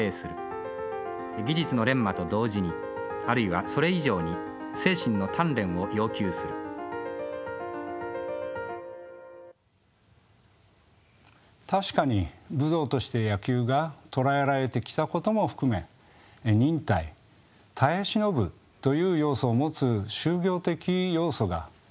技術の錬磨と同時にあるいはそれ以上に精神の鍛錬を要求する確かに武道として野球が捉えられてきたことも含め「忍耐」耐え忍ぶという要素を持つ修行的要素が歴史的には存在しました。